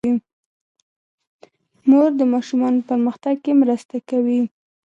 مور د ماشومانو په پرمختګ کې مرسته کوي.